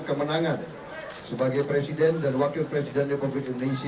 kemenangan sebagai presiden dan wakil presiden republik indonesia